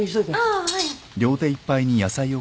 ああはい。